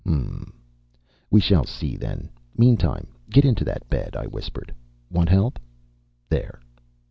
"H'm. We shall see then. Meantime get into that bed," I whispered. "Want help? There."